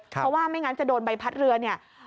เพราะว่าไม่งั้นจะโดนใบพัดเรือเนี่ย